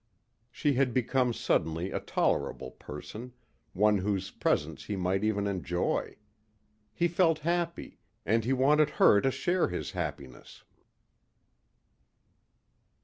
She had become suddenly a tolerable person, one whose presence he might even enjoy. He felt happy and he wanted her to share his happiness.